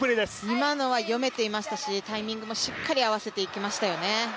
今のは読めていましたしタイミングもしっかり合わせていきましたよね。